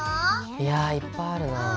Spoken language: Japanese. いやいっぱいあるなぁ。